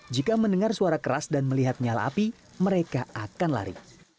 jika mendengar suara keras dan melihat nyala api mereka akan lari